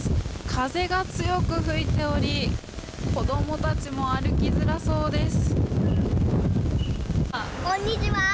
風が強く吹いており子供たちも歩きづらそうです。